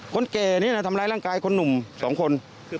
คนแก่นี้ทำร้ายร่างกายคนหนุ่ม๒คน